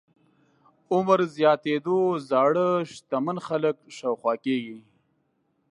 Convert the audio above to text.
عمر زياتېدو زاړه شتمن خلک شاوخوا کېږي.